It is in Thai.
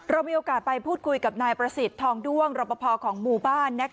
เรามีโอกาสไปพูดคุยกับนายประสิทธิ์ทองด้วงรอปภของหมู่บ้าน